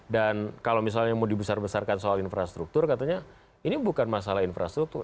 dan kalau misalnya mau dibesar besarkan soal infrastruktur katanya ini bukan masalah infrastruktur